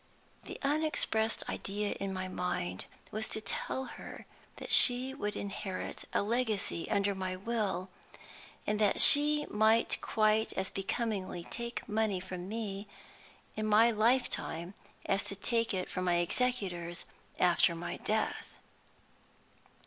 The unexpressed idea in my mind was to tell her that she would inherit a legacy under my will, and that she might quite as becomingly take money from me in my life time as take it from my executors after my death.